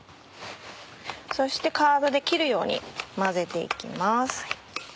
そしてカードで切るように混ぜて行きます。